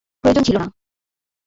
প্রয়োজন ছিল না।